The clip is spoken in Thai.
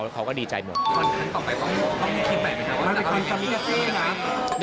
เขาก็ดีใจหมด